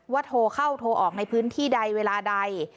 โทรเข้าโทรออกในพื้นที่ใดเวลาใด